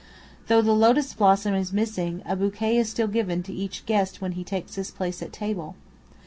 Though the lotus blossom is missing, a bouquet is still given to each guest when he takes his place at table.